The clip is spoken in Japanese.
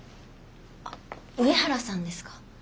あ上原さんですか？